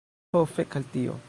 Ho fek al tio.